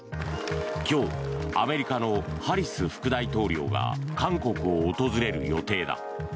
今日アメリカのハリス副大統領が韓国を訪れる予定だ。